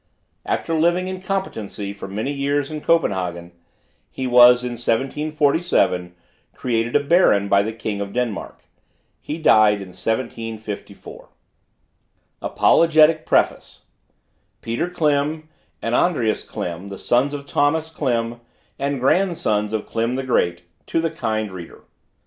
After living in competency for many years in Copenhagen, he was, in 1747, created a baron by the king of Denmark. He died in 1754. APOLOGETIC PREFACE. PETER KLIM AND ANDREAS KLIM, THE SONS OF THOMAS KLIM, AND GRANDSONS OF KLIM THE GREAT, TO THE KIND READER.